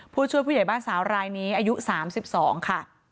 ผู้ช่วยผู้ใหญ่บ้านสาวรายนี้อายุ๓๒ค่ะ